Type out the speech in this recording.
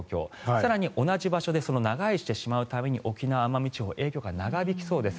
更に同じ場所で長居してしまうために沖縄・奄美地方は影響が長引きそうです。